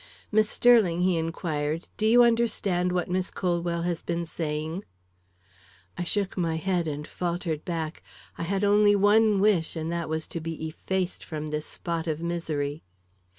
"Miss Sterling," he inquired, "do you understand what Miss Colwell has been saying?" I shook my head and faltered back. I had only one wish, and that was to be effaced from this spot of misery.